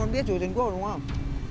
con biết chủ tịch quốc hội đúng không